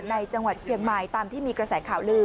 ในจังหวัดเชียงใหม่ตามที่มีกระแสข่าวลือ